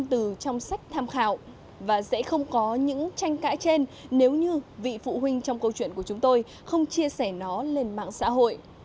từ trong sách tham khảo và sẽ không có những tranh cãi trên nếu như vị phụ huynh trong câu chuyện của chúng tôi không chia sẻ nó lên mạng xã hội